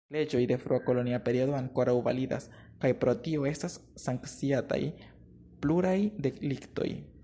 Leĝoj de frua kolonia periodo ankoraŭ validas kaj pro tio estas sankciataj pluraj deliktoj.